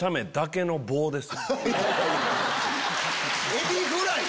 エビフライ！